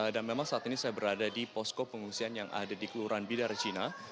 dan memang saat ini saya berada di poskop pengusian yang ada di kelurahan bidara cina